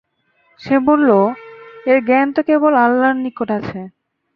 সে বলল, এর জ্ঞান তো কেবল আল্লাহর নিকট আছে।